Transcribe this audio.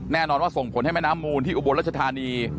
แน่นอนว่าส่งผลให้แม่น้ำมูลที่อุบลรัชธานี